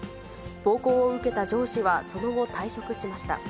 暴行を受けた上司はその後、退職しました。